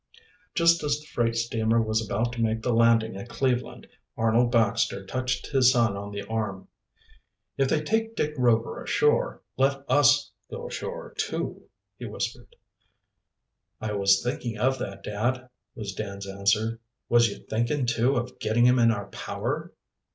Just as the freight steamer was about to make the landing at Cleveland, Arnold Baxter touched his son on the arm. "If they take Dick Rover ashore, let us go ashore too," he whispered. "I was thinking of that, dad," was Dan's answer. "Was you thinking, too, of getting him in our power?"